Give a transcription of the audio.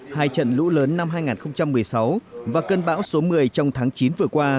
hai trận lũ lớn năm hai nghìn một mươi sáu và cơn bão số một mươi trong tháng chín vừa qua